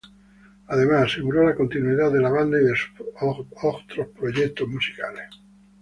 Además aseguró la continuidad de la banda y de sus otros proyectos musicales.